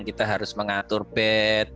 kita harus mengatur bed